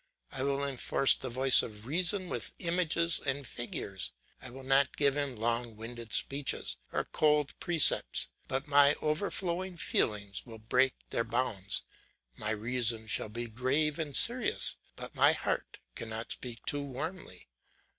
I will enforce the voice of reason with images and figures, I will not give him long winded speeches or cold precepts, but my overflowing feelings will break their bounds; my reason shall be grave and serious, but my heart cannot speak too warmly.